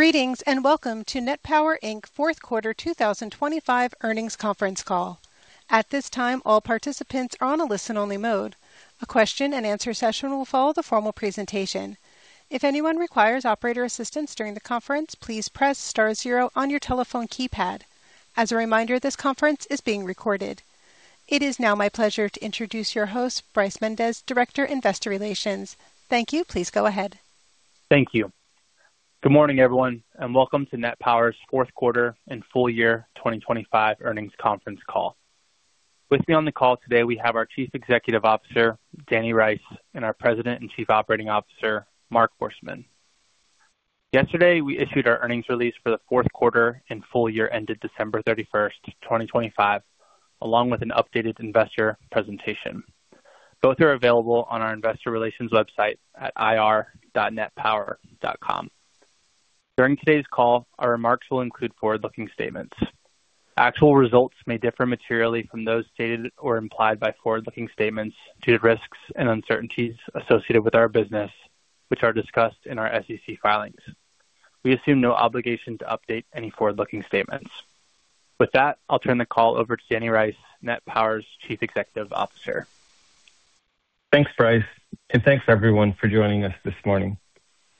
Greetings, welcome to Net Power Inc. fourth quarter 2025 earnings conference call. At this time, all participants are on a listen-only mode. A question-and-answer session will follow the formal presentation. If anyone requires operator assistance during the conference, please press star zero on your telephone keypad. As a reminder, this conference is being recorded. It is now my pleasure to introduce your host, Bryce Mendes, Director, Investor Relations. Thank you. Please go ahead. Thank you. Good morning, everyone, and welcome to Net Power's fourth quarter and full-year 2025 earnings conference call. With me on the call today, we have our Chief Executive Officer, Danny Rice, and our President and Chief Operating Officer, Marc Horstman. Yesterday, we issued our earnings release for the fourth quarter and full-year ended December 31st, 2025, along with an updated investor presentation. Both are available on our Investor Relations website at ir.netpower.com. During today's call, our remarks will include forward-looking statements. Actual results may differ materially from those stated or implied by forward-looking statements due to risks and uncertainties associated with our business, which are discussed in our SEC filings. We assume no obligation to update any forward-looking statements. With that, I'll turn the call over to Danny Rice, Net Power's Chief Executive Officer. Thanks, Bryce, and thanks, everyone, for joining us this morning.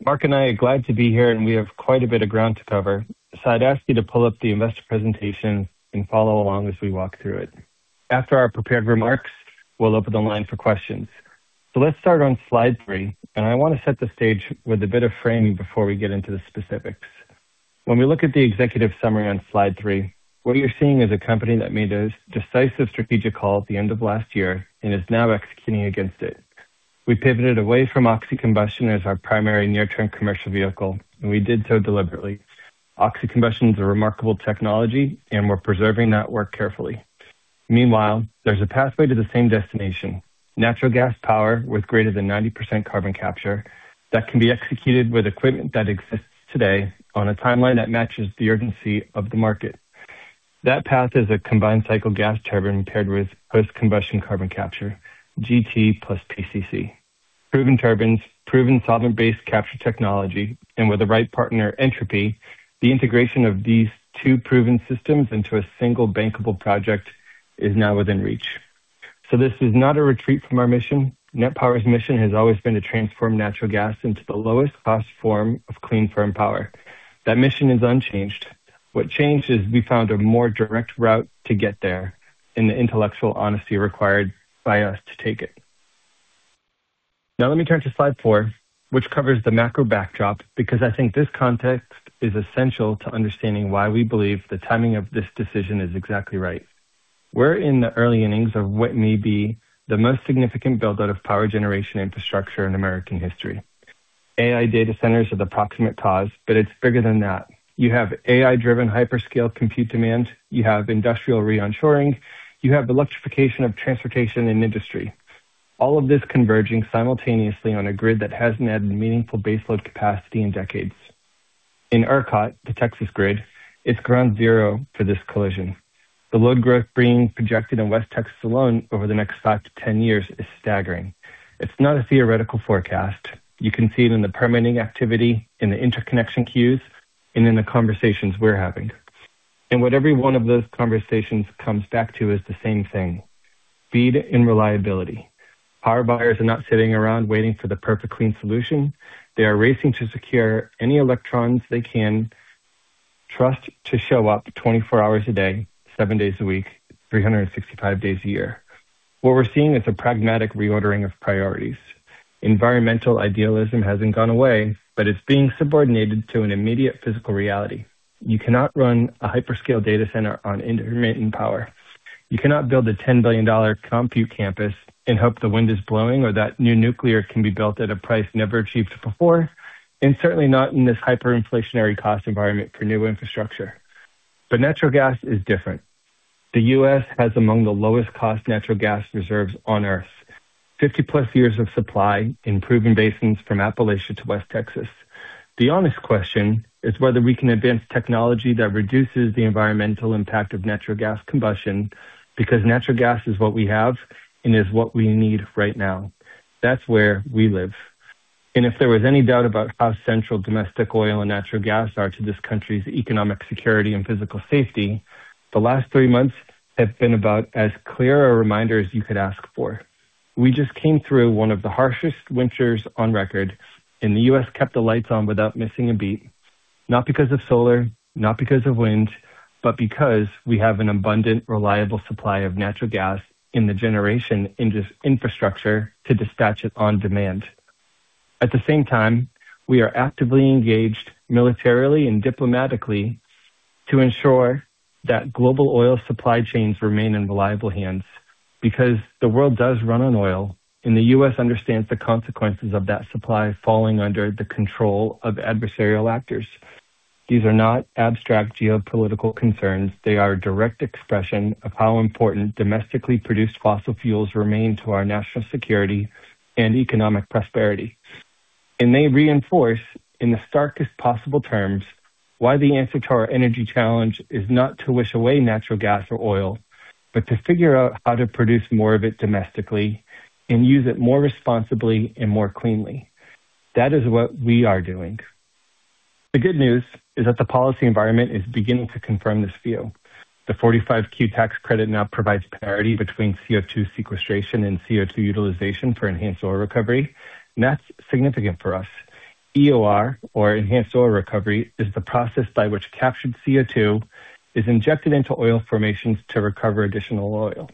Marc and I are glad to be here, and we have quite a bit of ground to cover. I'd ask you to pull up the investor presentation and follow along as we walk through it. After our prepared remarks, we'll open the line for questions. Let's start on slide three, and I want to set the stage with a bit of framing before we get into the specifics. When we look at the executive summary on slide three, what you're seeing is a company that made a decisive strategic call at the end of last year and is now executing against it. We pivoted away from oxy-combustion as our primary near-term commercial vehicle, and we did so deliberately. Oxy-combustion is a remarkable technology, and we're preserving that work carefully. Meanwhile, there's a pathway to the same destination. Natural gas power with greater than 90% carbon capture that can be executed with equipment that exists today on a timeline that matches the urgency of the market. That path is a combined cycle gas turbine paired with post-combustion carbon capture, GT plus PCC. Proven turbines, proven solvent-based capture technology, and with the right partner, Entropy, the integration of these two proven systems into a single bankable project is now within reach. This is not a retreat from our mission. Net Power's mission has always been to transform natural gas into the lowest cost form of clean, firm power. That mission is unchanged. What changed is we found a more direct route to get there and the intellectual honesty required by us to take it. Now let me turn to slide four, which covers the macro backdrop because I think this context is essential to understanding why we believe the timing of this decision is exactly right. We're in the early innings of what may be the most significant build-out of power generation infrastructure in American history. AI data centers are the proximate cause, but it's bigger than that. You have AI-driven hyperscale compute demand. You have industrial re-onshoring. You have the electrification of transportation and industry. All of this converging simultaneously on a grid that hasn't had meaningful baseload capacity in decades. In ERCOT, the Texas grid, it's ground zero for this collision. The load growth being projected in West Texas alone over the next five to 10 years is staggering. It's not a theoretical forecast. You can see it in the permitting activity, in the interconnection queues, and in the conversations we're having. What every one of those conversations comes back to is the same thing: speed and reliability. Power buyers are not sitting around waiting for the perfect clean solution. They are racing to secure any electrons they can trust to show up 24 hours a day, seven days a week, 365 days a year. What we're seeing is a pragmatic reordering of priorities. Environmental idealism hasn't gone away, but it's being subordinated to an immediate physical reality. You cannot run a hyperscale data center on intermittent power. You cannot build a $10 billion compute campus and hope the wind is blowing or that new nuclear can be built at a price never achieved before, and certainly not in this hyperinflationary cost environment for new infrastructure. Natural gas is different. The U.S. has among the lowest cost natural gas reserves on Earth, 50+ years of supply in proven basins from Appalachia to West Texas. The honest question is whether we can advance technology that reduces the environmental impact of natural gas combustion because natural gas is what we have and is what we need right now. That's where we live. If there was any doubt about how central domestic oil and natural gas are to this country's economic security and physical safety, the last three months have been about as clear a reminder as you could ask for. We just came through one of the harshest winters on record, and the U.S. kept the lights on without missing a beat, not because of solar, not because of wind, but because we have an abundant, reliable supply of natural gas in the generation infrastructure to dispatch it on demand. At the same time, we are actively engaged militarily and diplomatically to ensure that global oil supply chains remain in reliable hands because the world does run on oil and the U.S. understands the consequences of that supply falling under the control of adversarial actors. These are not abstract geopolitical concerns. They are a direct expression of how important domestically produced fossil fuels remain to our national security and economic prosperity. They reinforce, in the starkest possible terms, why the answer to our energy challenge is not to wish away natural gas or oil, but to figure out how to produce more of it domestically and use it more responsibly and more cleanly. That is what we are doing. The good news is that the policy environment is beginning to confirm this view. The 45Q tax credit now provides parity between CO2 sequestration and CO2 utilization for enhanced oil recovery, and that's significant for us. EOR, or enhanced oil recovery, is the process by which captured CO2 is injected into oil formations to recover additional oil.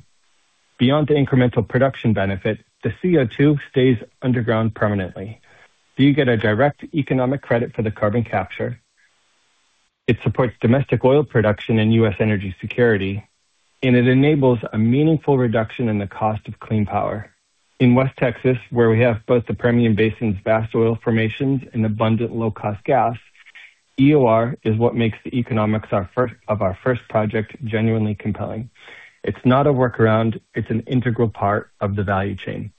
Beyond the incremental production benefit, the CO2 stays underground permanently, so you get a direct economic credit for the carbon capture. It supports domestic oil production and U.S. energy security, and it enables a meaningful reduction in the cost of clean power. In West Texas, where we have both the Permian Basin's vast oil formations and abundant low-cost gas, EOR is what makes the economics of our first project genuinely compelling. It's not a workaround, it's an integral part of the value chain.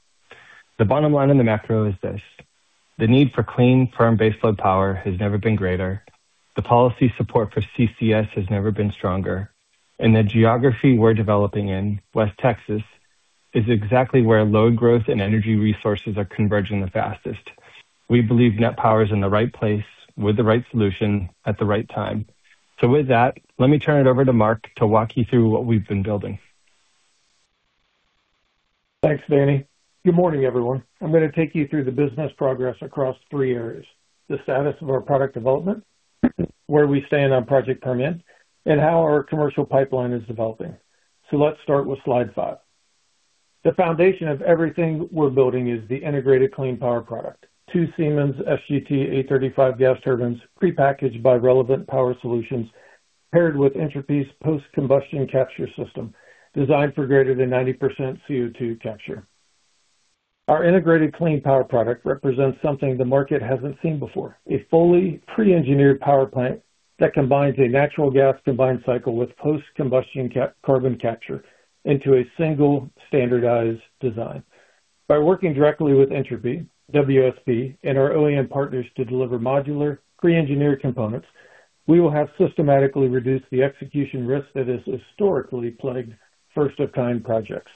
The bottom line in the macro is this. The need for clean, firm baseload power has never been greater. The policy support for CCS has never been stronger. The geography we're developing in, West Texas, is exactly where load growth and energy resources are converging the fastest. We believe Net Power is in the right place with the right solution at the right time. With that, let me turn it over to Marc to walk you through what we've been building. Thanks, Danny. Good morning, everyone. I'm gonna take you through the business progress across three areas, the status of our product development, where we stand on Project Permian, and how our commercial pipeline is developing. Let's start with slide five. The foundation of everything we're building is the integrated clean power product. Two Siemens SGT-A35 gas turbines, prepackaged by Relevant Power Solutions, paired with Entropy's post-combustion capture system, designed for greater than 90% CO2 capture. Our integrated clean power product represents something the market hasn't seen before. A fully pre-engineered power plant that combines a natural gas combined cycle with post-combustion carbon capture into a single standardized design. By working directly with Entropy, WSP, and our OEM partners to deliver modular pre-engineered components, we will have systematically reduced the execution risk that has historically plagued first-of-a-kind projects.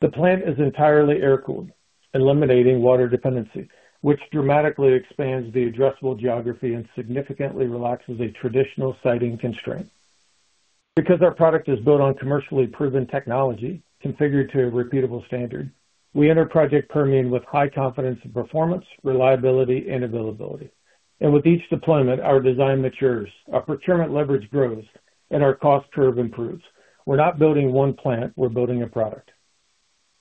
The plant is entirely air-cooled, eliminating water dependency, which dramatically expands the addressable geography and significantly relaxes a traditional siting constraint. Because our product is built on commercially proven technology configured to a repeatable standard, we enter Project Permian with high confidence in performance, reliability, and availability. With each deployment, our design matures, our procurement leverage grows, and our cost curve improves. We're not building one plant, we're building a product.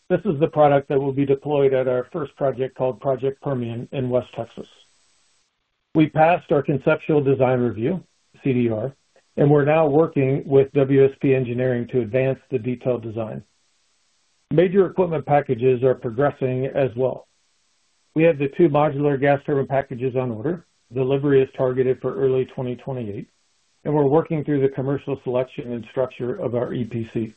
This is the product that will be deployed at our first project called Project Permian in West Texas. We passed our conceptual design review, CDR, and we're now working with WSP Engineering to advance the detailed design. Major equipment packages are progressing as well. We have the two modular gas turbine packages on order. Delivery is targeted for early 2028, and we're working through the commercial selection and structure of our EPC.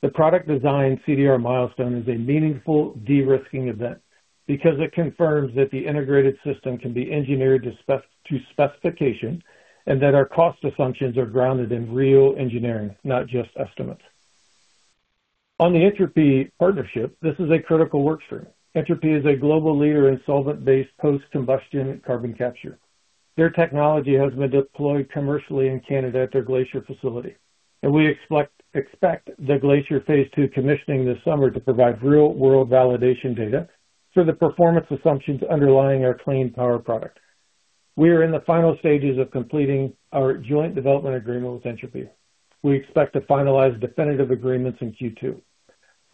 The product design CDR milestone is a meaningful de-risking event because it confirms that the integrated system can be engineered to specification, and that our cost assumptions are grounded in real engineering, not just estimates. On the Entropy partnership, this is a critical workstream. Entropy is a global leader in solvent-based post-combustion carbon capture. Their technology has been deployed commercially in Canada at their Glacier facility, and we expect the Glacier phase II commissioning this summer to provide real-world validation data for the performance assumptions underlying our clean power product. We are in the final stages of completing our joint development agreement with Entropy. We expect to finalize definitive agreements in Q2.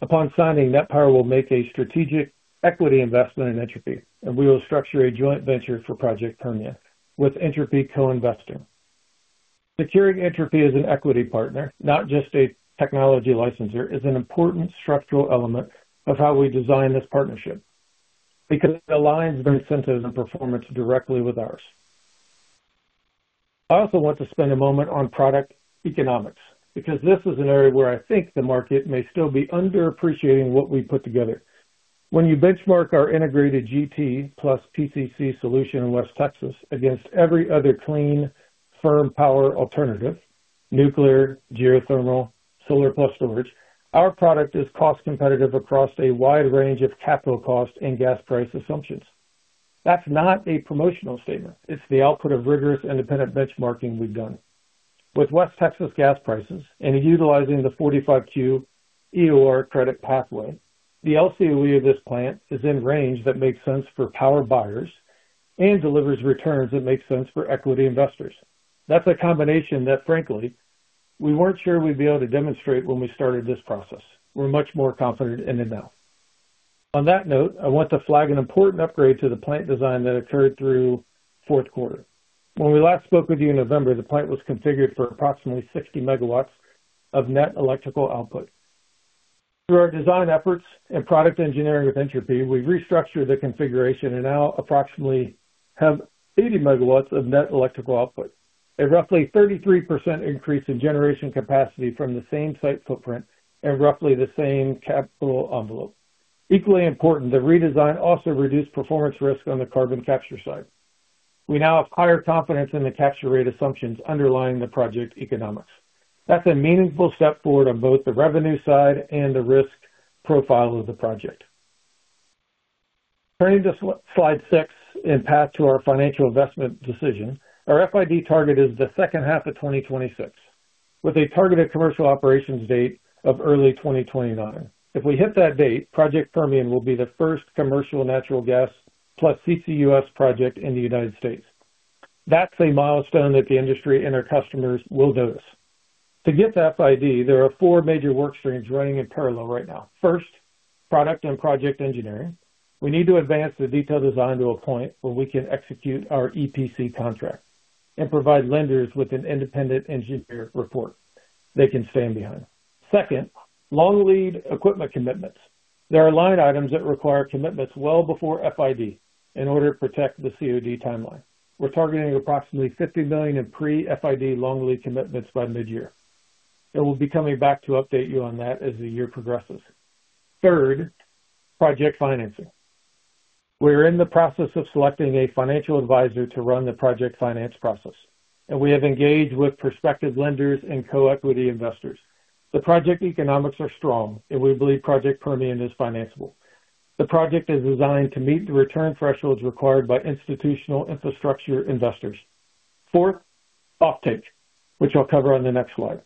Upon signing, Net Power will make a strategic equity investment in Entropy, and we will structure a joint venture for Project Permian, with Entropy co-investing. Securing Entropy as an equity partner, not just a technology licensor, is an important structural element of how we design this partnership because it aligns their incentives and performance directly with ours. I also want to spend a moment on product economics, because this is an area where I think the market may still be underappreciating what we put together. When you benchmark our integrated GT plus PCC solution in West Texas against every other clean firm power alternative, nuclear, geothermal, solar plus storage, our product is cost competitive across a wide range of capital costs and gas price assumptions. That's not a promotional statement. It's the output of rigorous independent benchmarking we've done. With West Texas gas prices and utilizing the 45Q EOR credit pathway, the LCOE of this plant is in range that makes sense for power buyers and delivers returns that make sense for equity investors. That's a combination that, frankly, we weren't sure we'd be able to demonstrate when we started this process. We're much more confident in it now. On that note, I want to flag an important upgrade to the plant design that occurred through fourth quarter. When we last spoke with you in November, the plant was configured for approximately 60 MW of net electrical output. Through our design efforts and product engineering with Entropy, we restructured the configuration and now approximately have 80 MW of net electrical output. A roughly 33% increase in generation capacity from the same site footprint and roughly the same capital envelope. Equally important, the redesign also reduced performance risk on the carbon capture side. We now have higher confidence in the capture rate assumptions underlying the project economics. That's a meaningful step forward on both the revenue side and the risk profile of the project. Turning to slide six and path to our financial investment decision. Our FID target is the second half of 2026, with a targeted commercial operations date of early 2029. If we hit that date, Project Permian will be the first commercial natural gas plus CCUS project in the United States. That's a milestone that the industry and our customers will notice. To get that FID, there are four major work streams running in parallel right now. First, product and project engineering. We need to advance the detailed design to a point where we can execute our EPC contract and provide lenders with an independent engineer report they can stand behind. Second, long lead equipment commitments. There are line items that require commitments well before FID in order to protect the COD timeline. We're targeting approximately $50 million in pre-FID long lead commitments by mid-year, and we'll be coming back to update you on that as the year progresses. Third, project financing. We're in the process of selecting a financial advisor to run the project finance process, and we have engaged with prospective lenders and co-equity investors. The project economics are strong and we believe Project Permian is financeable. The project is designed to meet the return thresholds required by institutional infrastructure investors. Fourth, offtake, which I'll cover on the next slide.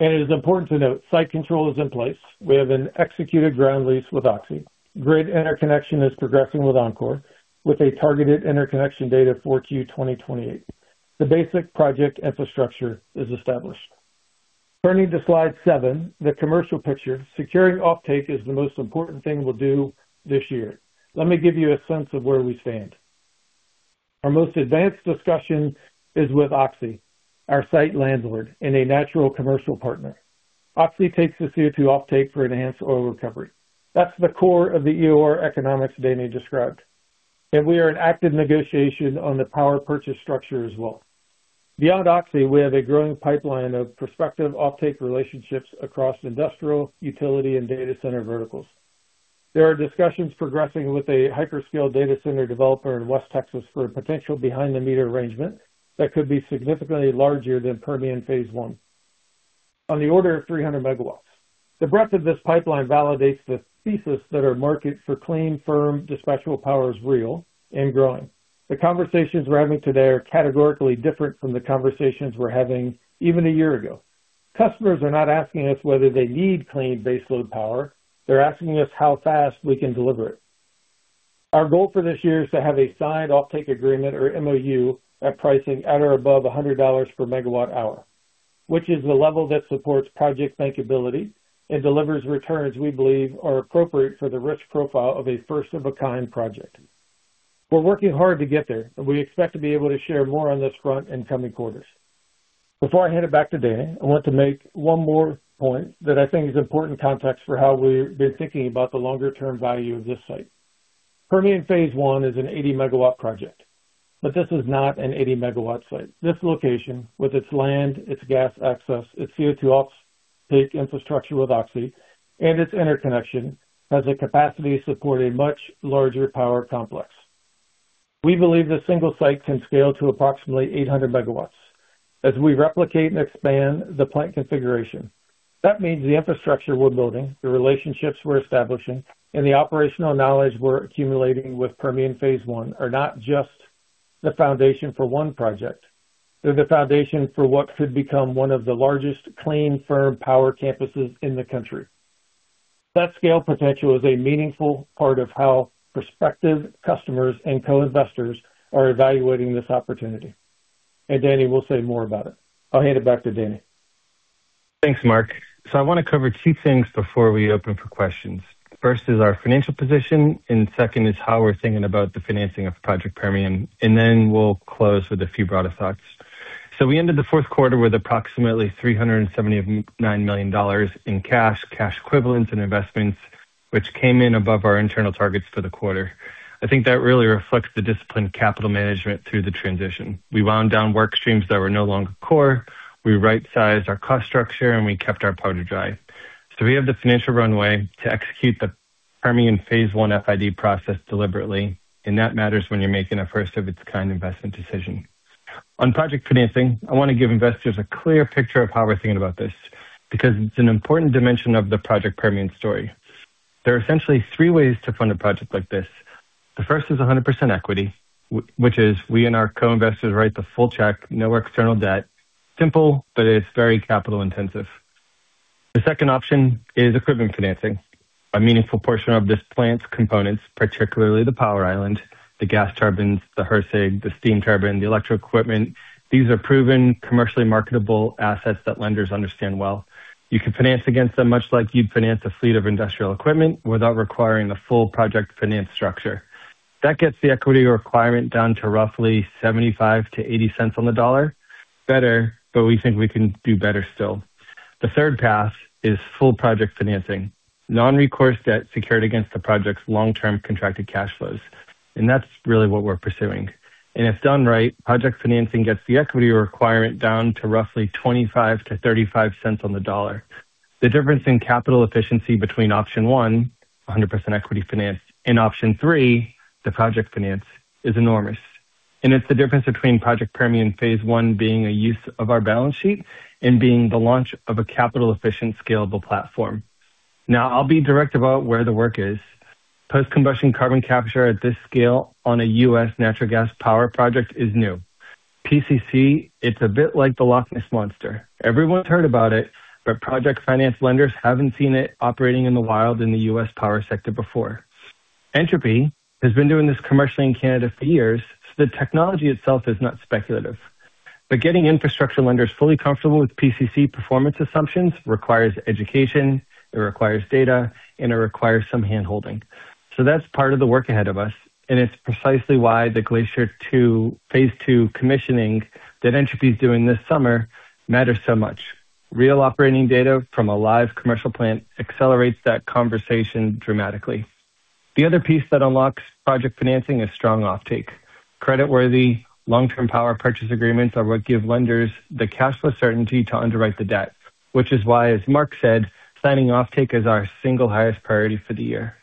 It is important to note site control is in place. We have an executed ground lease with Oxy. Grid interconnection is progressing with Oncor with a targeted interconnection date of 4Q 2028. The basic project infrastructure is established. Turning to slide seven, the commercial picture. Securing offtake is the most important thing we'll do this year. Let me give you a sense of where we stand. Our most advanced discussion is with Oxy, our site landlord and a natural commercial partner. Oxy takes the CO2 offtake for enhanced oil recovery. That's the core of the EOR economics Danny described. We are in active negotiation on the power purchase structure as well. Beyond Oxy, we have a growing pipeline of prospective offtake relationships across industrial, utility, and data center verticals. There are discussions progressing with a hyperscale data center developer in West Texas for a potential behind the meter arrangement that could be significantly larger than phase I. on the order of 300 MW. The breadth of this pipeline validates the thesis that our market for clean, firm dispatchable power is real and growing. The conversations we're having today are categorically different from the conversations we were having even a year ago. Customers are not asking us whether they need clean baseload power. They're asking us how fast we can deliver it. Our goal for this year is to have a signed offtake agreement or MOU at pricing at or above $100 per MWh, which is the level that supports project bankability and delivers returns we believe are appropriate for the risk profile of a first-of-a-kind project. We're working hard to get there, and we expect to be able to share more on this front in coming quarters. Before I hand it back to Dan, I want to make one more point that I think is important context for how we've been thinking about the long-term value of this site. Permian phase I is an 80 MW project, but this is not an 80 MW site. This location with its land, its gas access, its CO2 offtake infrastructure with Oxy and its interconnection, has the capacity to support a much larger power complex. We believe this single site can scale to approximately 800 MW as we replicate and expand the plant configuration. That means the infrastructure we're building, the relationships we're establishing, and the operational knowledge we're accumulating with Permian phase I are not just the foundation for one project, they're the foundation for what could become one of the largest clean, firm power campuses in the country. That scale potential is a meaningful part of how prospective customers and co-investors are evaluating this opportunity. Danny will say more about it. I'll hand it back to Danny. Thanks, Marc. I want to cover two things before we open for questions. First is our financial position, and second is how we're thinking about the financing of Project Permian. We'll close with a few broader thoughts. We ended the fourth quarter with approximately $379 million in cash equivalents, and investments, which came in above our internal targets for the quarter. I think that really reflects the disciplined capital management through the transition. We wound down work streams that were no longer core. We right-sized our cost structure and we kept our powder dry. We have the financial runway to execute the Permian phase I FID process deliberately. That matters when you're making a first of its kind investment decision. On project financing, I want to give investors a clear picture of how we're thinking about this, because it's an important dimension of the Project Permian story. There are essentially three ways to fund a project like this. The first is 100% equity, which is we and our co-investors write the full check. No external debt. Simple, but it's very capital intensive. The second option is equipment financing. A meaningful portion of this plant's components, particularly the power island, the gas turbines, the HRSG, the steam turbine, the electrical equipment. These are proven, commercially marketable assets that lenders understand well. You can finance against them, much like you'd finance a fleet of industrial equipment without requiring the full project finance structure. That gets the equity requirement down to roughly $0.75-$0.80. Better, but we think we can do better still. The third path is full project financing. Non-recourse debt secured against the project's long-term contracted cash flows. That's really what we're pursuing. If done right, project financing gets the equity requirement down to roughly $0.25-$0.35. The difference in capital efficiency between option one, 100% equity finance, and option three, the project finance, is enormous. It's the difference between Project Permian phase I being a use of our balance sheet and being the launch of a capital efficient, scalable platform. Now I'll be direct about where the work is. Post-combustion carbon capture at this scale on a U.S. natural gas power project is new. PCC, it's a bit like the Loch Ness Monster. Everyone's heard about it, but project finance lenders haven't seen it operating in the wild in the U.S. power sector before. Entropy has been doing this commercially in Canada for years, so the technology itself is not speculative. Getting infrastructure lenders fully comfortable with PCC performance assumptions requires education, it requires data, and it requires some handholding. That's part of the work ahead of us, and it's precisely why the Glacier 2, phase II commissioning that Entropy is doing this summer matters so much. Real operating data from a live commercial plant accelerates that conversation dramatically. The other piece that unlocks project financing is strong offtake. Creditworthy long-term power purchase agreements are what give lenders the cash flow certainty to underwrite the debt. Which is why, as Marc said, signing offtake is our single highest priority for the year.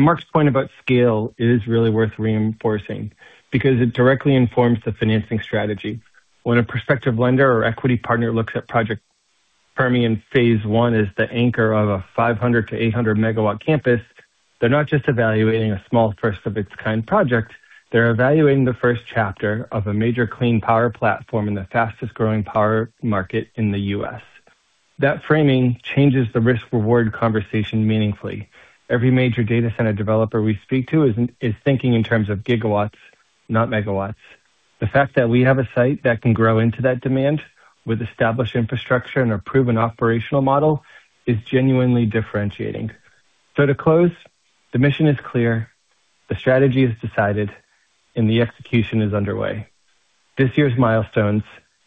Marc's point about scale is really worth reinforcing because it directly informs the financing strategy. When a prospective lender or equity partner looks at Project Permian phase I as the anchor of a 500 MW-800 MW campus, they're not just evaluating a small first of its kind project. They're evaluating the first chapter of a major clean power platform in the fastest growing power market in the U.S. That framing changes the risk reward conversation meaningfully. Every major data center developer we speak to is thinking in terms of GW, not MW. The fact that we have a site that can grow into that demand with established infrastructure and a proven operational model is genuinely differentiating. To close, the mission is clear, the strategy is decided, and the execution is underway. This year's milestones,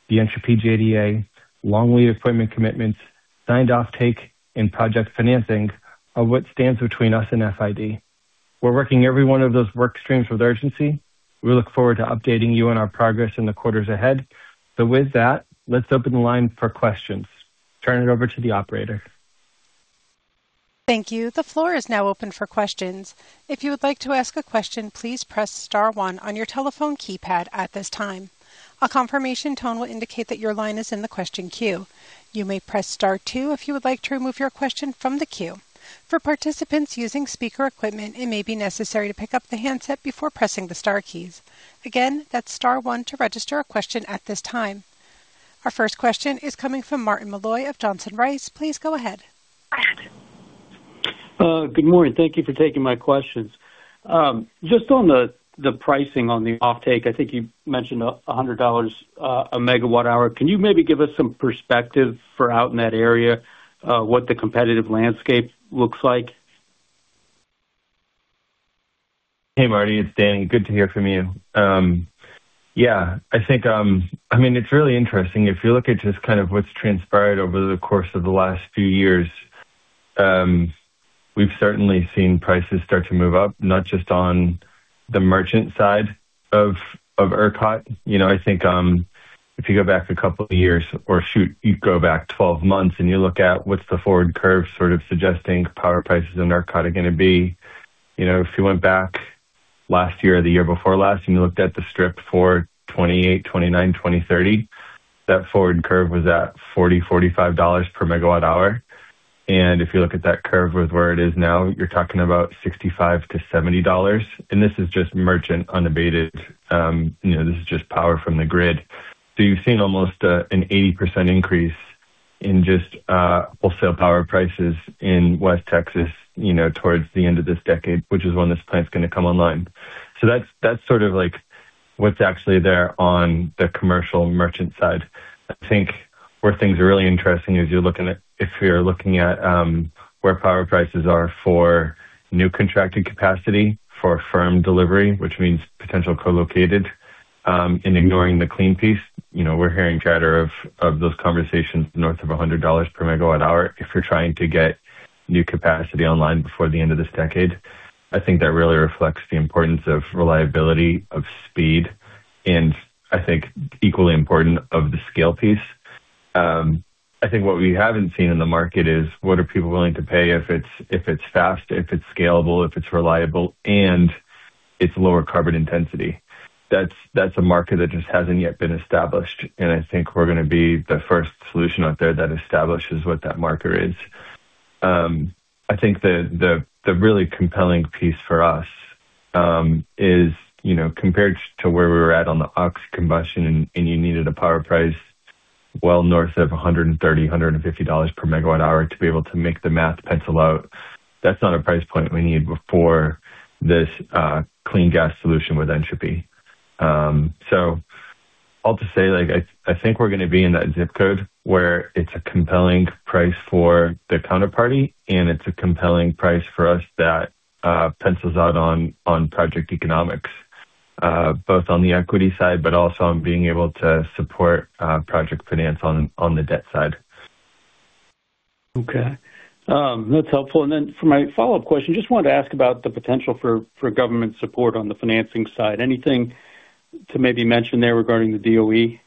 the Entropy JDA, long lead equipment commitments, signed offtake, and project financing are what stands between us and FID. We're working every one of those work streams with urgency. We look forward to updating you on our progress in the quarters ahead. With that, let's open the line for questions. Turn it over to the operator. Thank you. The floor is now open for questions. If you would like to ask a question, please press star one on your telephone keypad at this time. A confirmation tone will indicate that your line is in the question queue. You may press star two if you would like to remove your question from the queue. For participants using speaker equipment, it may be necessary to pick up the handset before pressing the star keys. Again, that's star one to register a question at this time. Our first question is coming from Martin Malloy of Johnson Rice. Please go ahead. Good morning. Thank you for taking my questions. Just on the pricing on the offtake, I think you mentioned $100 a MWh. Can you maybe give us some perspective for out in that area, what the competitive landscape looks like? Hey, Marty, it's Danny. Good to hear from you. Yeah, I think, I mean, it's really interesting. If you look at just kind of what's transpired over the course of the last few years, we've certainly seen prices start to move up, not just on the merchant side of ERCOT. You know, I think, if you go back a couple of years or shoot, you go back 12 months and you look at what's the forward curve sort of suggesting power prices in ERCOT are gonna be. You know, if you went back last year or the year before last and you looked at the strip for 2028, 2029, 2030, that forward curve was at $40-$45 per MWh. If you look at that curve with where it is now, you're talking about $65-$70. This is just merchant unabated. You know, this is just power from the grid. You've seen almost an 80% increase in just wholesale power prices in West Texas, you know, towards the end of this decade, which is when this plant's gonna come online. That's sort of like what's actually there on the commercial merchant side. I think where things are really interesting is you're looking at, if we are looking at where power prices are for new contracted capacity for firm delivery, which means potential co-located, and ignoring the clean piece. You know, we're hearing chatter of those conversations north of $100 per MWh if you're trying to get new capacity online before the end of this decade. I think that really reflects the importance of reliability, of speed, and I think equally important of the scale piece. I think what we haven't seen in the market is what are people willing to pay if it's fast, if it's scalable, if it's reliable and it's lower carbon intensity. That's a market that just hasn't yet been established and I think we're gonna be the first solution out there that establishes what that market is. I think the really compelling piece for us is, you know, compared to where we were at on the oxy-combustion and you needed a power price well north of $130-$150 per MWh to be able to make the math pencil out. That's not a price point we need before this clean gas solution with Entropy. I'll just say like I think we're gonna be in that ZIP code where it's a compelling price for the counterparty and it's a compelling price for us that pencils out on project economics both on the equity side but also on being able to support project finance on the debt side. Okay. That's helpful. For my follow-up question, just wanted to ask about the potential for government support on the financing side. Anything to maybe mention there regarding the DOE?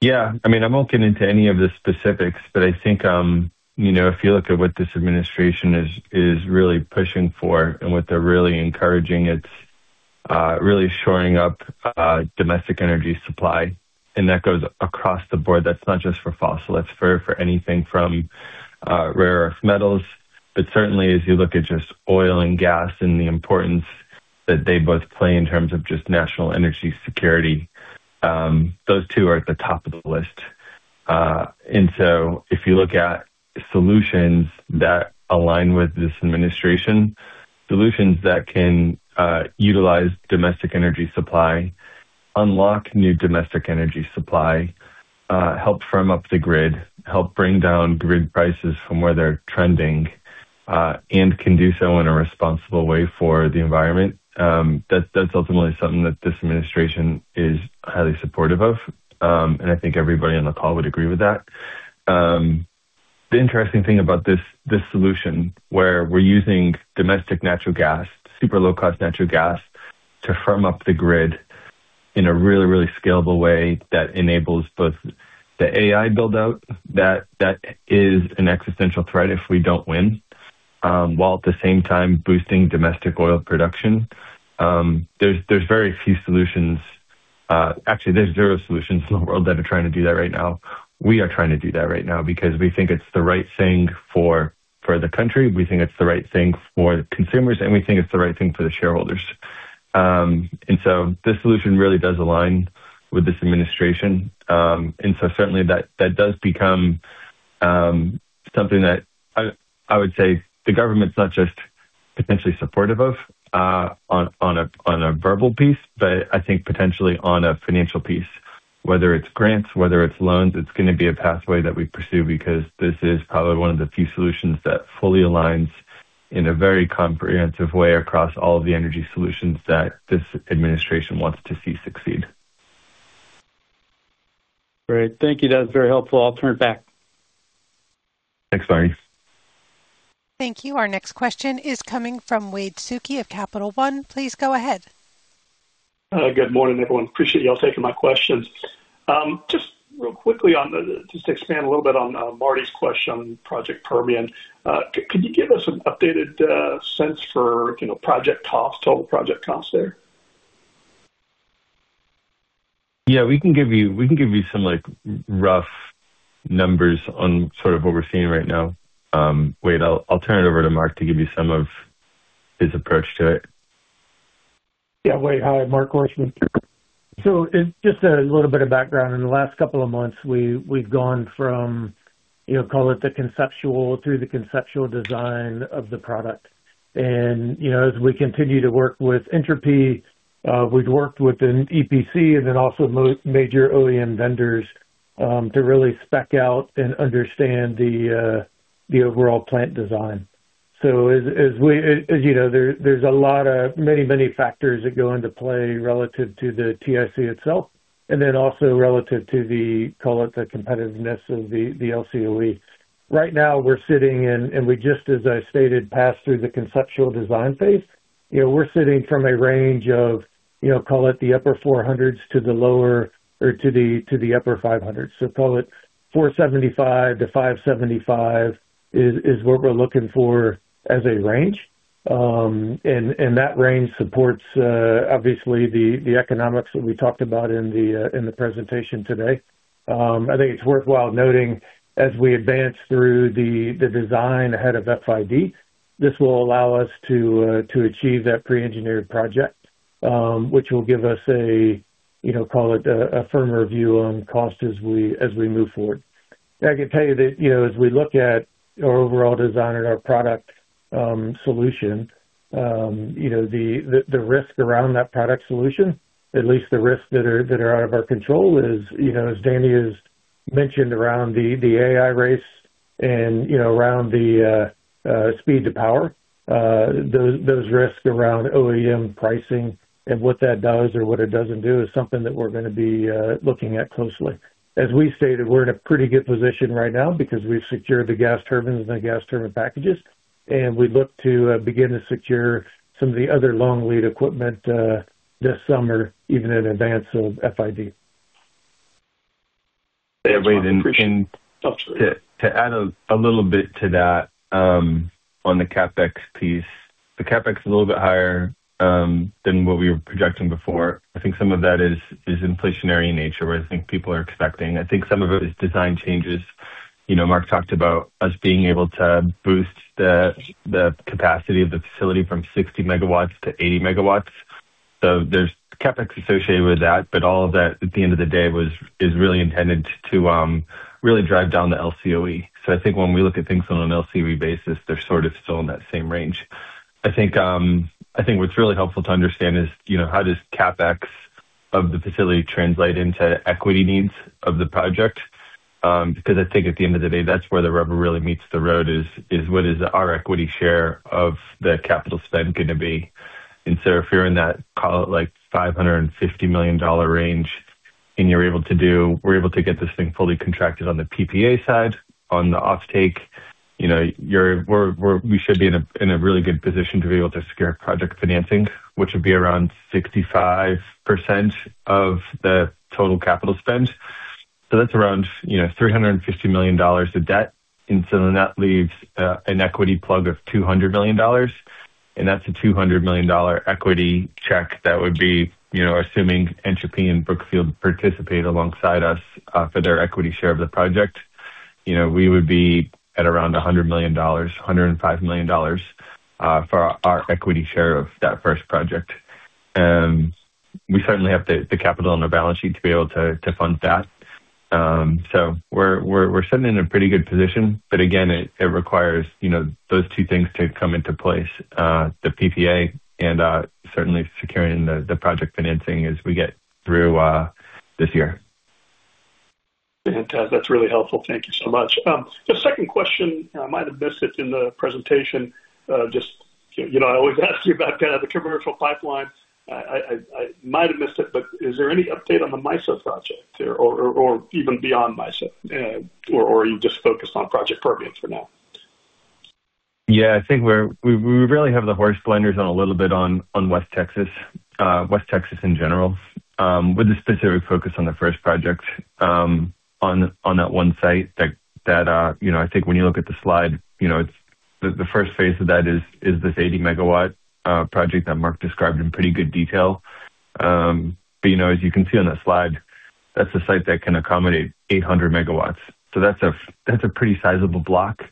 Yeah, I mean, I won't get into any of the specifics, but I think, you know, if you look at what this administration is really pushing for and what they're really encouraging, it's really shoring up domestic energy supply. That goes across the board. That's not just for fossil, it's for anything from rare earth metals. Certainly, as you look at just oil and gas and the importance that they both play in terms of just national energy security, those two are at the top of the list. If you look at solutions that align with this administration, solutions that can utilize domestic energy supply, unlock new domestic energy supply, help firm up the grid, help bring down grid prices from where they're trending, and can do so in a responsible way for the environment, that's ultimately something that this administration is highly supportive of. I think everybody on the call would agree with that. The interesting thing about this solution where we're using domestic natural gas, super low cost natural gas, to firm up the grid in a really scalable way that enables both the AI build out that is an existential threat if we don't win, while at the same time boosting domestic oil production. There's very few solutions. Actually, there's zero solutions in the world that are trying to do that right now. We are trying to do that right now because we think it's the right thing for the country, we think it's the right thing for consumers, and we think it's the right thing for the shareholders. This solution really does align with this administration. Certainly that does become something that I would say the government's not just potentially supportive of on a verbal piece, but I think potentially on a financial piece, whether it's grants, whether it's loans, it's gonna be a pathway that we pursue because this is probably one of the few solutions that fully aligns in a very comprehensive way across all of the energy solutions that this administration wants to see succeed. Great. Thank you. That was very helpful. I'll turn it back. Thanks, Marty. Thank you. Our next question is coming from Wade Suki of Capital One. Please go ahead. Good morning, everyone. Appreciate y'all taking my questions. Just real quickly just to expand a little bit on Marty's question on Project Permian. Could you give us an updated sense for, you know, project costs, total project costs there? Yeah, we can give you some, like, rough numbers on sort of what we're seeing right now. Wade, I'll turn it over to Marc to give you some of his approach to it. Yeah. Wade, hi. Marc Horstmann. Just a little bit of background. In the last couple of months, we've gone from, you know, call it the conceptual design of the product. You know, as we continue to work with Entropy, we've worked with an EPC and then also major OEM vendors to really spec out and understand the overall plant design. As you know, there's a lot of many factors that go into play relative to the TIC itself and then also relative to, call it, the competitiveness of the LCOE. Right now we're sitting in, and we just, as I stated, passed through the conceptual design phase. You know, we're sitting from a range of, you know, call it the upper $400s to the upper $500s. Call it $475-$575 is what we're looking for as a range. That range supports obviously the economics that we talked about in the presentation today. I think it's worthwhile noting as we advance through the design ahead of FID, this will allow us to achieve that pre-engineered project, which will give us a, you know, call it a firmer view on cost as we move forward. I can tell you that, you know, as we look at our overall design and our product solution, you know, the risk around that product solution, at least the risks that are out of our control is, you know, as Danny has mentioned around the AI race and, you know, around the speed to power, those risks around OEM pricing and what that does or what it doesn't do is something that we're gonna be looking at closely. As we stated, we're in a pretty good position right now because we've secured the gas turbines and the gas turbine packages, and we look to begin to secure some of the other long lead equipment, this summer, even in advance of FID. Appreciate it. To add a little bit to that, on the CapEx piece. The CapEx is a little bit higher than what we were projecting before. I think some of that is inflationary in nature, where I think people are expecting. I think some of it is design changes. You know, Marc talked about us being able to boost the capacity of the facility from 60 MW to 80 MW. There's CapEx associated with that. All of that, at the end of the day, is really intended to really drive down the LCOE. I think when we look at things on an LCOE basis, they're sort of still in that same range. I think what's really helpful to understand is, you know, how does CapEx of the facility translate into equity needs of the project? Because I think at the end of the day, that's where the rubber really meets the road, is what is our equity share of the capital spend gonna be? If you're in that call, like $550 million range and we're able to get this thing fully contracted on the PPA side, on the offtake, you know, we're in a really good position to be able to secure project financing, which would be around 65% of the total capital spend. That's around, you know, $350 million of debt. That leaves an equity plug of $200 million, and that's a $200 million equity check that would be, you know, assuming Entropy and Brookfield participate alongside us for their equity share of the project. You know, we would be at around $100 million, $105 million for our equity share of that first project. We certainly have the capital on our balance sheet to be able to fund that. So we're sitting in a pretty good position. But again, it requires, you know, those two things to come into place, the PPA and certainly securing the project financing as we get through this year. Fantastic. That's really helpful. Thank you so much. The second question, I might have missed it in the presentation. Just so you know, I always ask you about the commercial pipeline. I might have missed it, but is there any update on the MISO project or even beyond MISO? Or are you just focused on Project Permian for now? I think we really have the horse blinders on a little bit on West Texas. West Texas in general, with a specific focus on the first project, on that one site that you know, I think when you look at the slide, you know, it's the first phase of that is this 80 MW project that Marc described in pretty good detail. You know, as you can see on that slide, that's a site that can accommodate 800 MW. That's a pretty sizable block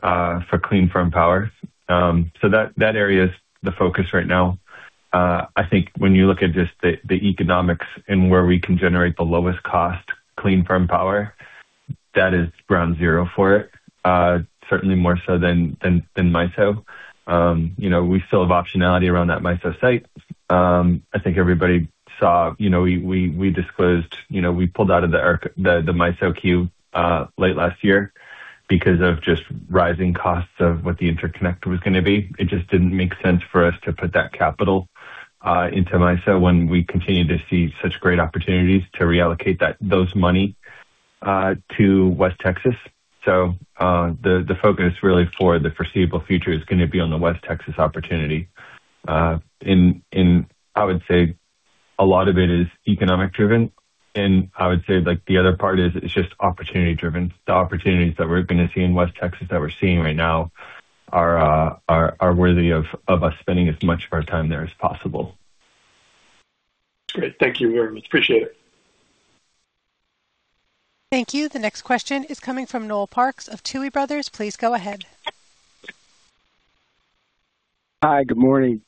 for clean firm power. That area is the focus right now. I think when you look at just the economics and where we can generate the lowest cost clean firm power, that is ground zero for it. Certainly more so than MISO. You know, we still have optionality around that MISO site. I think everybody saw, you know, we disclosed, you know, we pulled out of the MISO queue late last year because of just rising costs of what the interconnect was gonna be. It just didn't make sense for us to put that capital into MISO when we continue to see such great opportunities to reallocate that money to West Texas. The focus really for the foreseeable future is gonna be on the West Texas opportunity. I would say a lot of it is economic driven, and I would say like the other part is it's just opportunity driven. The opportunities that we're gonna see in West Texas that we're seeing right now are worthy of us spending as much of our time there as possible. Great. Thank you very much. Appreciate it. Thank you. The next question is coming from Noel Parks of Tuohy Brothers. Please go ahead. Hi. Good morning.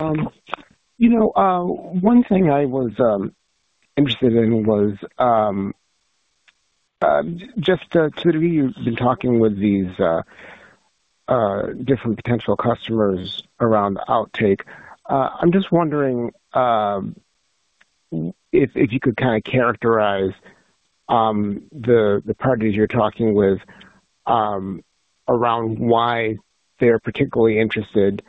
You know, one thing I was interested in was just clearly you've been talking with these different potential customers around the offtake. I'm just wondering if you could kinda characterize the parties you're talking with around why they're particularly interested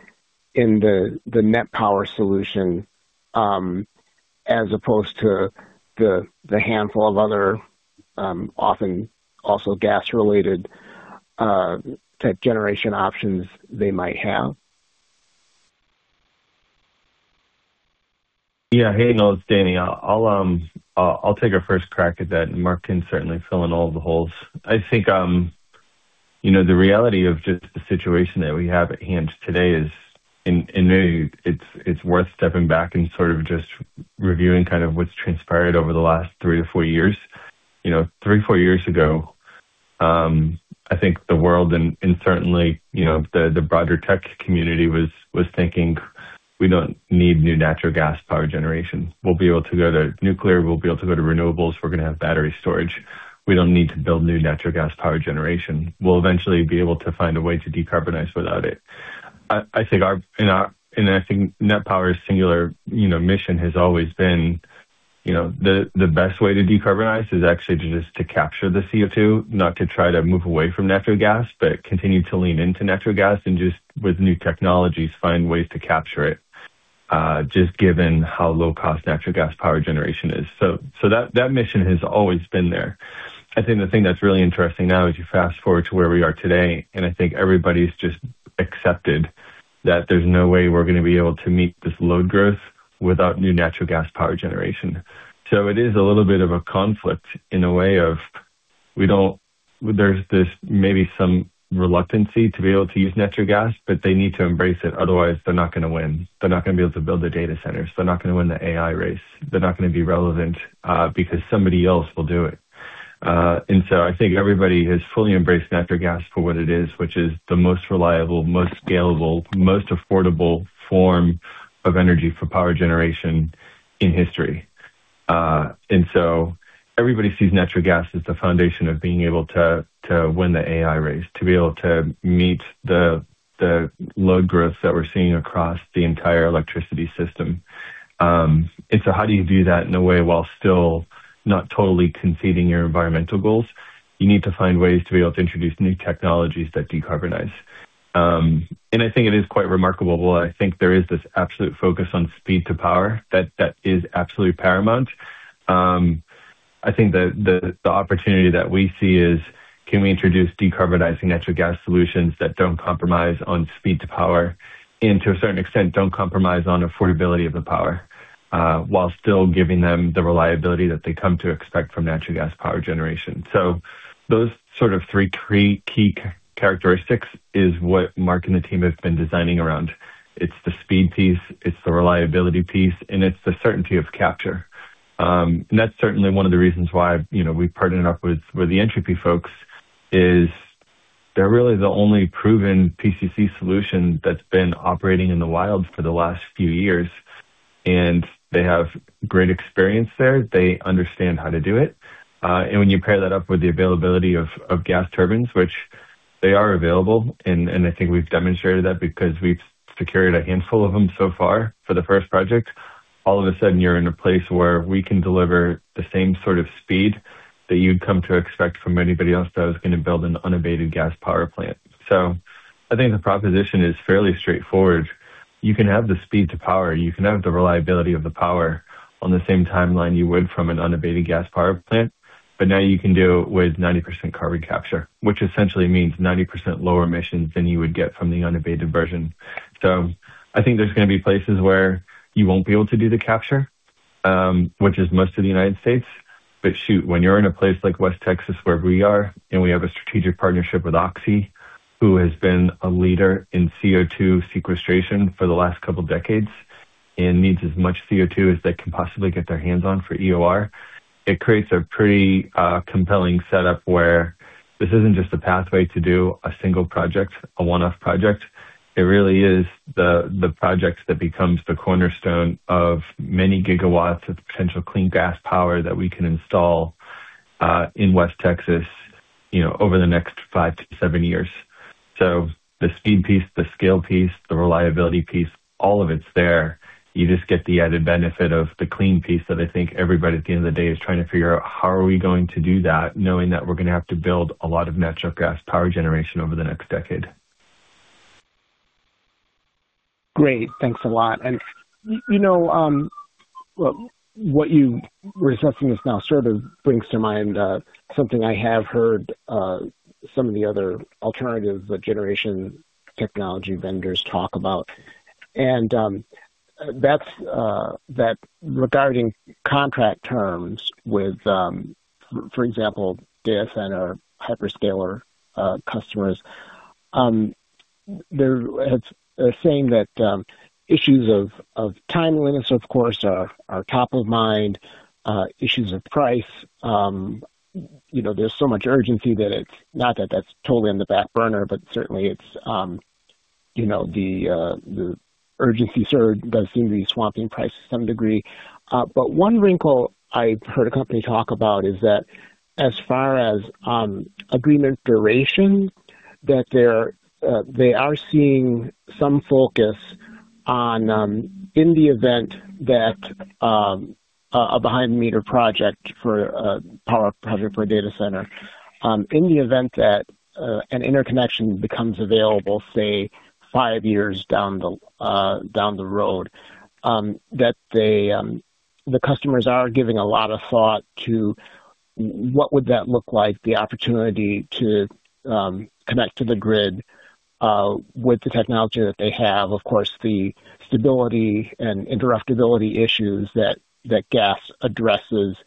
in the Net Power solution as opposed to the handful of other often also gas related type generation options they might have. Yeah. Hey, Noel. It's Danny. I'll take a first crack at that, and Marc can certainly fill in all the holes. I think you know, the reality of just the situation that we have at hand today is, and maybe it's worth stepping back and sort of just reviewing kind of what's transpired over the last three to four years. You know, three to four years ago, I think the world and certainly you know, the broader tech community was thinking, we don't need new natural gas power generation. We'll be able to go to nuclear. We'll be able to go to renewables. We're gonna have battery storage. We don't need to build new natural gas power generation. We'll eventually be able to find a way to decarbonize without it. I think our I think Net Power's singular, you know, mission has always been, you know, the best way to decarbonize is actually just to capture the CO2, not to try to move away from natural gas, but continue to lean into natural gas and just with new technologies, find ways to capture it, just given how low cost natural gas power generation is. So that mission has always been there. I think the thing that's really interesting now is you fast forward to where we are today, and I think everybody's just accepted that there's no way we're gonna be able to meet this load growth without new natural gas power generation. It is a little bit of a conflict in a way of there's this maybe some reluctance to be able to use natural gas, but they need to embrace it, otherwise they're not gonna win. They're not gonna be able to build the data centers. They're not gonna win the AI race. They're not gonna be relevant, because somebody else will do it. I think everybody has fully embraced natural gas for what it is, which is the most reliable, most scalable, most affordable form of energy for power generation in history. Everybody sees natural gas as the foundation of being able to win the AI race, to be able to meet the load growth that we're seeing across the entire electricity system. How do you do that in a way while still not totally conceding your environmental goals? You need to find ways to be able to introduce new technologies that decarbonize. I think it is quite remarkable. While I think there is this absolute focus on speed to power, that is absolutely paramount, I think the opportunity that we see is can we introduce decarbonizing natural gas solutions that don't compromise on speed to power and to a certain extent, don't compromise on affordability of the power, while still giving them the reliability that they come to expect from natural gas power generation. Those sort of three key characteristics is what Marc and the team have been designing around. It's the speed piece, it's the reliability piece, and it's the certainty of capture. That's certainly one of the reasons why, you know, we've partnered up with the Entropy folks is they're really the only proven PCC solution that's been operating in the wild for the last few years, and they have great experience there. They understand how to do it. When you pair that up with the availability of gas turbines, which they are available, and I think we've demonstrated that because we've secured a handful of them so far for the first project. All of a sudden, you're in a place where we can deliver the same sort of speed that you'd come to expect from anybody else that was going to build an unabated gas power plant. I think the proposition is fairly straightforward. You can have the speed to power, you can have the reliability of the power on the same timeline you would from an unabated gas power plant. Now you can do it with 90% carbon capture, which essentially means 90% lower emissions than you would get from the unabated version. I think there's going to be places where you won't be able to do the capture, which is most of the United States. Shoot, when you're in a place like West Texas, where we are, and we have a strategic partnership with Oxy, who has been a leader in CO2 sequestration for the last couple decades and needs as much CO2 as they can possibly get their hands on for EOR, it creates a pretty, compelling setup where this isn't just a pathway to do a single project, a one-off project. It really is the project that becomes the cornerstone of many gigawatts of potential clean gas power that we can install in West Texas, you know, over the next five to seven years. The speed piece, the scale piece, the reliability piece, all of it's there. You just get the added benefit of the clean piece that I think everybody at the end of the day is trying to figure out how are we going to do that, knowing that we're going to have to build a lot of natural gas power generation over the next decade. Great. Thanks a lot. You know, what you were discussing just now sort of brings to mind something I have heard some of the other alternative generation technology vendors talk about, and that's that regarding contract terms with, for example, data center hyperscaler customers, they're saying that issues of time limits, of course, are top of mind, issues of price. You know, there's so much urgency that it's not that that's totally on the back burner, but certainly it's you know, the urgency surge that seems to be swamping prices to some degree. One wrinkle I've heard a company talk about is that as far as agreement duration, that they are seeing some focus on in the event that a behind the meter project for a power project for a data center, in the event that an interconnection becomes available, say, five years down the road, that the customers are giving a lot of thought to what would that look like, the opportunity to connect to the grid with the technology that they have. Of course, the stability and interruptibility issues that gas addresses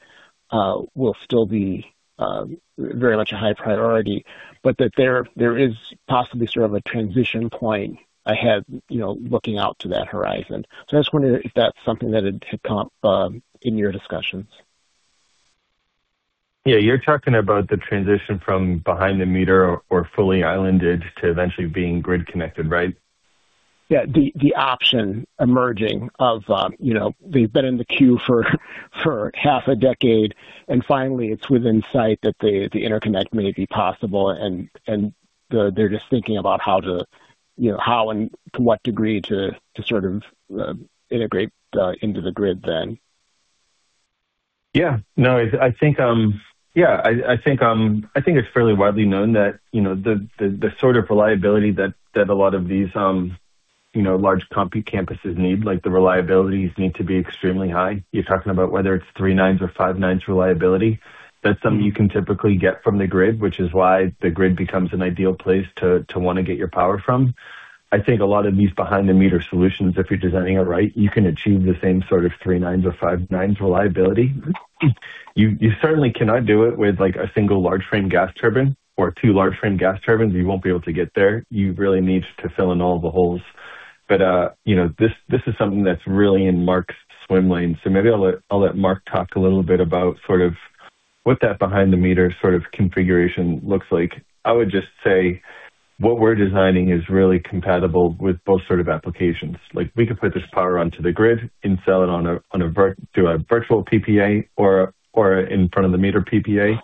will still be very much a high priority, but that there is possibly sort of a transition point ahead, you know, looking out to that horizon. I was wondering if that's something that had come up in your discussions. Yeah. You're talking about the transition from behind the meter or fully islanded to eventually being grid connected, right? Yeah. The option emerging of, you know, they've been in the queue for half a decade, and finally it's within sight that the interconnect may be possible. They're just thinking about how to, you know, how and to what degree to sort of integrate into the grid then. No, I think it's fairly widely known that, you know, the sort of reliability that a lot of these large compute campuses need, like the reliabilities need to be extremely high. You're talking about whether it's three-nines or five-nines reliability. That's something you can typically get from the grid, which is why the grid becomes an ideal place to want to get your power from. I think a lot of these behind the meter solutions, if you're designing it right, you can achieve the same sort of three-nines or five-nines reliability. You certainly cannot do it with like a single large frame gas turbine or two large frame gas turbines. You won't be able to get there. You really need to fill in all the holes. You know, this is something that's really in Marc's swim lane. Maybe I'll let Marc talk a little bit about sort of what that behind the meter sort of configuration looks like. I would just say what we're designing is really compatible with both sort of applications. Like we could put this power onto the grid and sell it through a virtual PPA or in front of the meter PPA.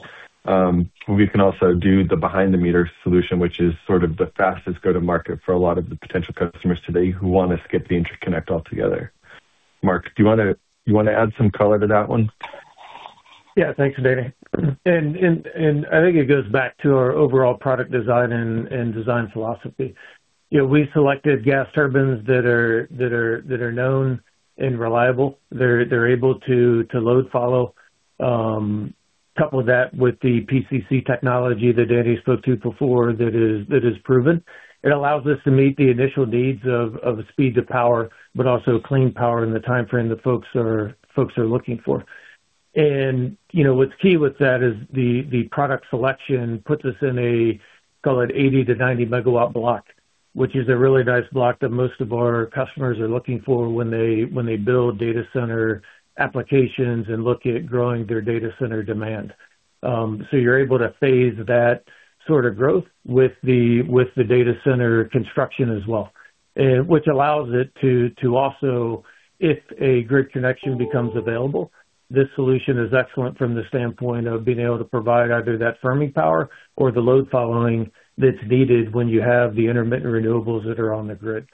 We can also do the behind-the-meter solution, which is sort of the fastest go-to-market for a lot of the potential customers today who want to skip the interconnect altogether. Marc, do you want to add some color to that one? Yeah. Thanks, Danny. I think it goes back to our overall product design and design philosophy. You know, we selected gas turbines that are known and reliable. They're able to load follow. Couple that with the PCC technology that Danny spoke to before that is proven. It allows us to meet the initial needs of speed to power, but also clean power in the timeframe that folks are looking for. You know, what's key with that is the product selection puts us in a call it 80 MW-90 MW block, which is a really nice block that most of our customers are looking for when they build data center applications and look at growing their data center demand. You're able to phase that sort of growth with the data center construction as well. Which allows it to also, if a grid connection becomes available, this solution is excellent from the standpoint of being able to provide either that firming power or the load following that's needed when you have the intermittent renewables that are on the grid.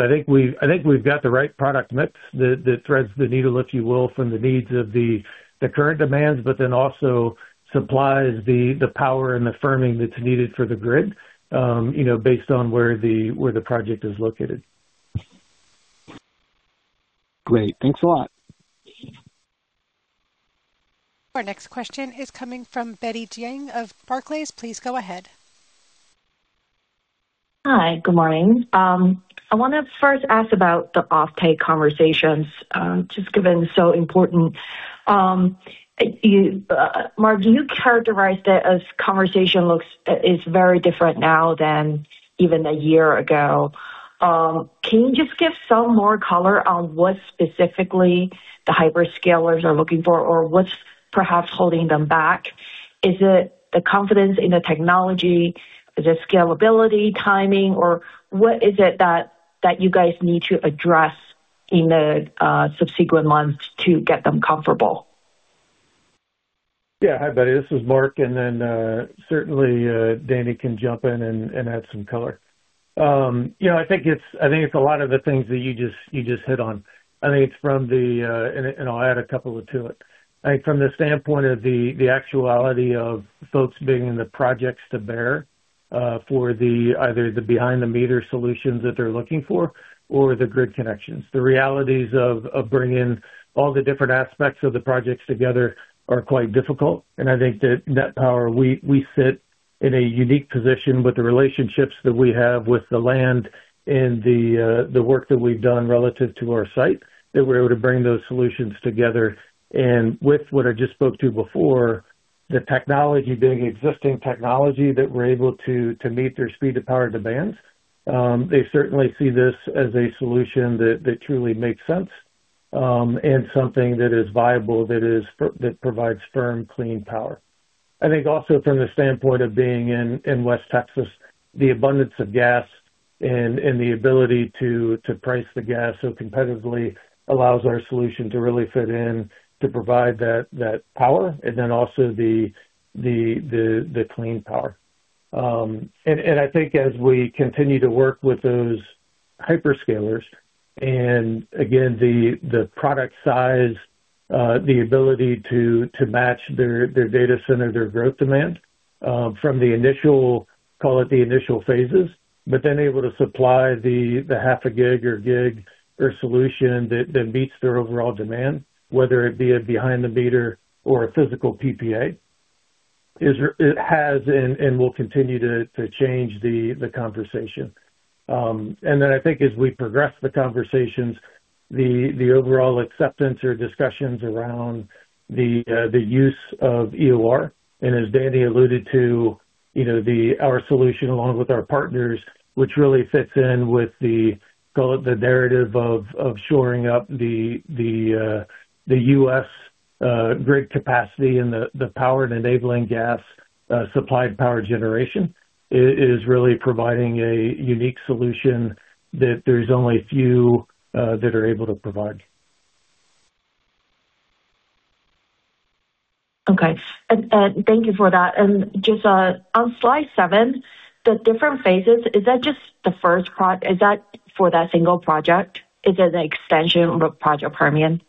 I think we've got the right product mix that threads the needle, if you will, from the needs of the current demands, but then also supplies the power and the firming that's needed for the grid, based on where the project is located. Great. Thanks a lot. Our next question is coming from Betty Jiang of Barclays. Please go ahead. Hi. Good morning. I wanna first ask about the offtake conversations, just given it's so important. Marc, you characterize that as conversations look is very different now than even a year ago. Can you just give some more color on what specifically the hyperscalers are looking for or what's perhaps holding them back? Is it the confidence in the technology? Is it scalability, timing, or what is it that you guys need to address in the subsequent months to get them comfortable? Yeah. Hi, Betty. This is Marc, and then, certainly, Danny can jump in and add some color. You know, I think it's a lot of the things that you just hit on. I think it's from the. I'll add a couple of to it. I think from the standpoint of the actuality of folks bringing the projects to bear, for either the behind the meter solutions that they're looking for or the grid connections. The realities of bringing all the different aspects of the projects together are quite difficult. I think that Net Power, we sit in a unique position with the relationships that we have with the land and the work that we've done relative to our site, that we're able to bring those solutions together. With what I just spoke to before, the technology being existing technology that we're able to meet their speed to power demands, they certainly see this as a solution that truly makes sense, and something that is viable, that provides firm, clean power. I think also from the standpoint of being in West Texas, the abundance of gas and the ability to price the gas so competitively allows our solution to really fit in to provide that power and then also the clean power. I think as we continue to work with those hyperscalers and again, the product size, the ability to match their data center, their growth demand, from the initial, call it the initial phases, but then able to supply the half a gig or gig or solution that meets their overall demand, whether it be a behind the meter or a physical PPA, it has and will continue to change the conversation. I think as we progress the conversations, the overall acceptance or discussions around the use of EOR. As Danny alluded to, you know, our solution along with our partners, which really fits in with the, call it the narrative of shoring up the U.S. grid capacity and the power to enabling gas supplied power generation is really providing a unique solution that there's only a few that are able to provide. Okay. Thank you for that. Just on slide seven, the different phases, is that just the first? Is that for that single project? Is it an extension of Project Permian?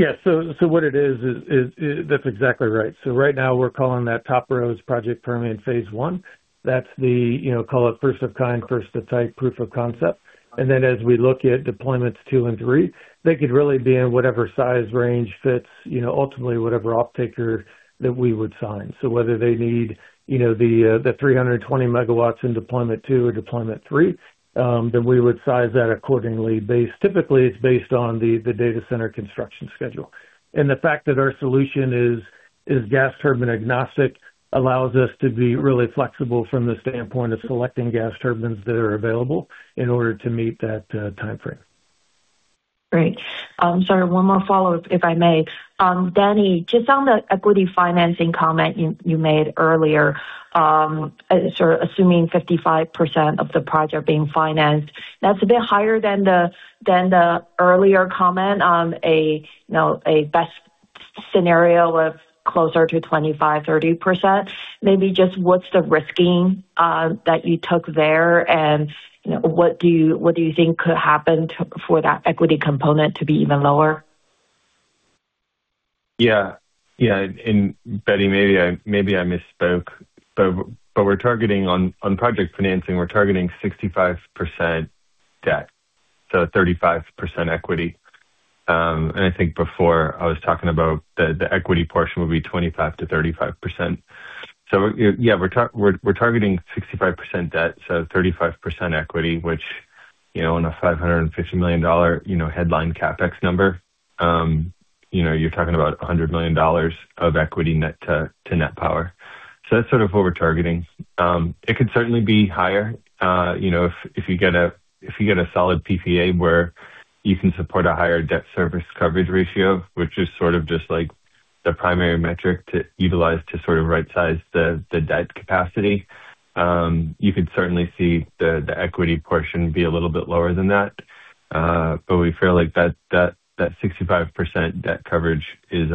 Yeah. That's exactly right. Right now we're calling that top row Project phase I. that's the, you know, call it first of kind, first of type proof of concept. As we look at deployments two and three, they could really be in whatever size range fits, you know, ultimately whatever offtaker that we would sign. Whether they need, you know, the 300 MW in deployment two or deployment three, then we would size that accordingly based. Typically, it's based on the data center construction schedule. The fact that our solution is gas turbine agnostic allows us to be really flexible from the standpoint of selecting gas turbines that are available in order to meet that timeframe. Great. Sorry, one more follow-up, if I may. Danny, just on the equity financing comment you made earlier. So assuming 55% of the project being financed, that's a bit higher than the earlier comment on a best scenario of closer to 25%, 30%. Maybe just what's the risk in that you took there and, you know, what do you think could happen for that equity component to be even lower? Yeah. Yeah. Betty, maybe I misspoke, but we're targeting on project financing, we're targeting 65% debt, so 35% equity. I think before I was talking about the equity portion would be 25%-35%. Yeah, we're targeting 65% debt, so 35% equity, which, you know, on a $550 million headline CapEx number, you know, you're talking about $100 million of equity net to Net Power. That's sort of what we're targeting. It could certainly be higher, you know, if you get a solid PPA where you can support a higher debt service coverage ratio, which is sort of just like the primary metric to utilize to sort of right-size the debt capacity. You could certainly see the equity portion be a little bit lower than that. We feel like that 65% debt coverage is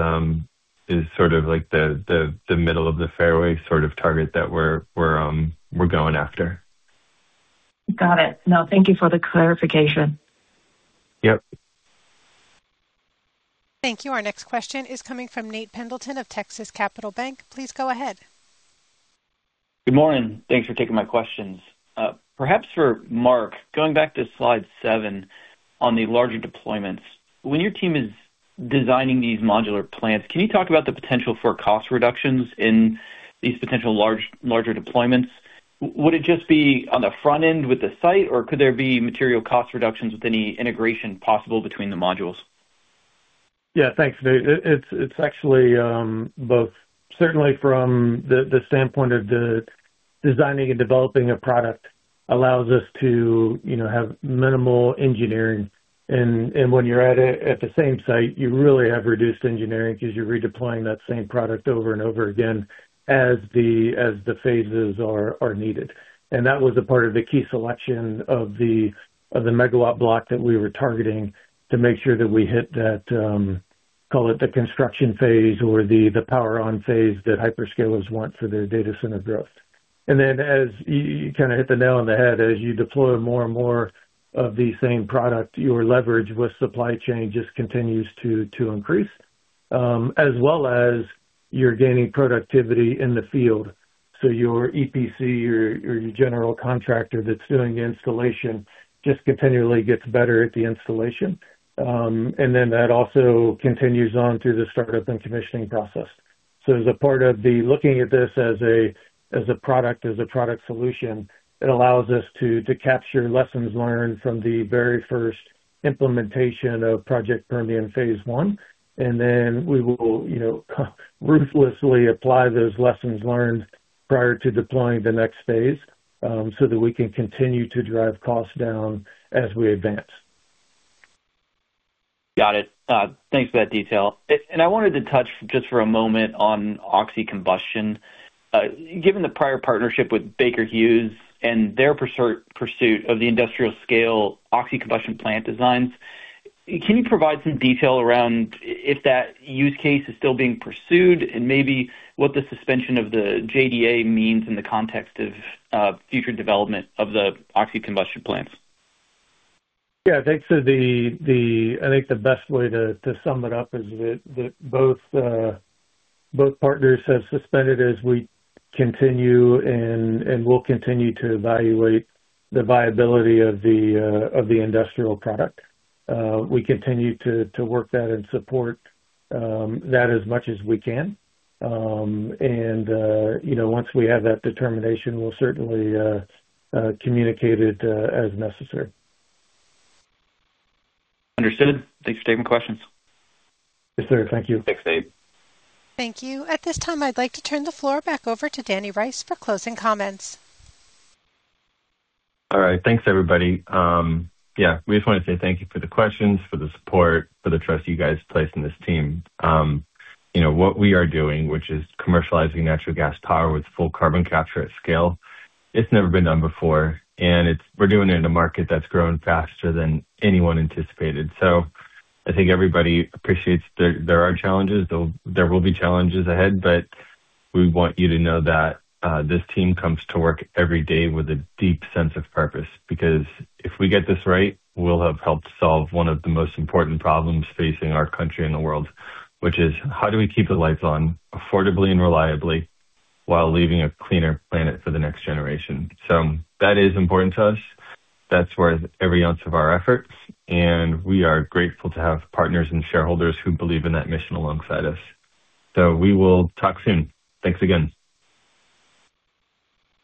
sort of like the middle of the fairway sort of target that we're going after. Got it. No, thank you for the clarification. Yep. Thank you. Our next question is coming from Nate Pendleton of Texas Capital Bank. Please go ahead. Good morning. Thanks for taking my questions. Perhaps for Marc, going back to slide seven on the larger deployments. When your team is designing these modular plants, can you talk about the potential for cost reductions in these potential larger deployments? Would it just be on the front end with the site, or could there be material cost reductions with any integration possible between the modules? Yeah, thanks, Nate. It's actually both. Certainly from the standpoint of designing and developing a product allows us to, you know, have minimal engineering and when you're at the same site, you really have reduced engineering 'cause you're redeploying that same product over and over again as the phases are needed. That was a part of the key selection of the megawatt block that we were targeting to make sure that we hit that, call it the construction phase or the power on phase that hyperscalers want for their data center growth. Then as you kinda hit the nail on the head, as you deploy more and more of the same product, your leverage with supply chain just continues to increase, as well as you're gaining productivity in the field. Your EPC, your general contractor that's doing the installation just continually gets better at the installation. Then that also continues on through the startup and commissioning process. As a part of the looking at this as a product solution, it allows us to capture lessons learned from the very first implementation of Project Permian phase I, and then we will, you know, ruthlessly apply those lessons learned prior to deploying the next phase, so that we can continue to drive costs down as we advance. Got it. Thanks for that detail. I wanted to touch just for a moment on oxy-combustion. Given the prior partnership with Baker Hughes and their pursuit of the industrial scale oxy-combustion plant designs, can you provide some detail around if that use case is still being pursued and maybe what the suspension of the JDA means in the context of future development of the oxy-combustion plants? Yeah. Thanks. I think the best way to sum it up is that both partners have suspended as we continue and will continue to evaluate the viability of the industrial product. We continue to work that and support that as much as we can. You know, once we have that determination, we'll certainly communicate it as necessary. Understood. Thanks for taking my questions. Yes, sir. Thank you. Thanks, Nate. Thank you. At this time, I'd like to turn the floor back over to Danny Rice for closing comments. All right. Thanks, everybody. We just wanna say thank you for the questions, for the support, for the trust you guys place in this team. You know, what we are doing, which is commercializing natural gas power with full carbon capture at scale, it's never been done before, and we're doing it in a market that's growing faster than anyone anticipated. I think everybody appreciates there are challenges, there will be challenges ahead, but we want you to know that this team comes to work every day with a deep sense of purpose. Because if we get this right, we'll have helped solve one of the most important problems facing our country and the world, which is how do we keep the lights on affordably and reliably while leaving a cleaner planet for the next generation? That is important to us. That's worth every ounce of our efforts, and we are grateful to have partners and shareholders who believe in that mission alongside us. We will talk soon. Thanks again.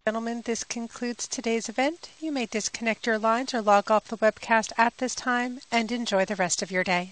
Gentlemen, this concludes today's event. You may disconnect your lines or log off the webcast at this time, and enjoy the rest of your day.